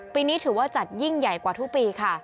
ปีนี้ถือว่าจัดยิ่งใหญ่กว่าทุกปีค่ะ